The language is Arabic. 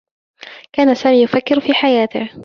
كان سامي يفكّر في حياته.